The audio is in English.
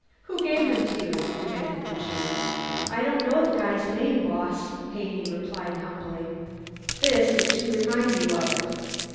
"Who gave them to you?" demanded the chief. "I don't know the guy's name, Boss," Haney replied humbly. "This is to remind you of it."